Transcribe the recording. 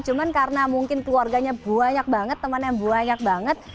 cuma karena mungkin keluarganya banyak banget temannya banyak banget